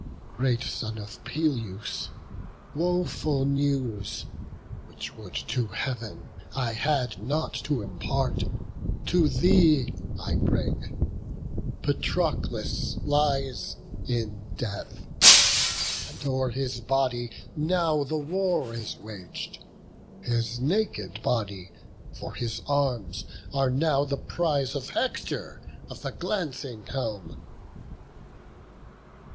great son of Peleus, woful news, Which would to Heav'n I had not to impart, To thee I bring; Patroclus lies in death; And o'er his body now the war is wag'd; His naked body, for his arms are now The prize of Hector of the glancing helm."